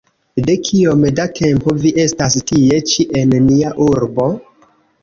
De kiom da tempo vi estas tie ĉi en nia urbo?